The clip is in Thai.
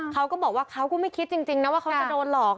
เขาก็บอกว่าเขาก็ไม่คิดจริงนะว่าเขาจะโดนหลอก